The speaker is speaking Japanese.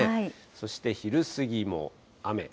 そして昼過ぎも雨。